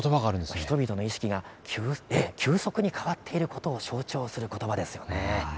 人々の意識が急速に変わっていることを象徴することばです。